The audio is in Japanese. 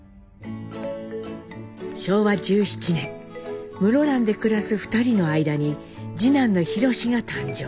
昭和１７年室蘭で暮らす２人の間に次男の弘史が誕生。